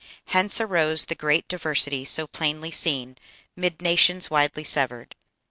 Hence arose The great diversity, so plainly seen, 'Mid nations widely severed.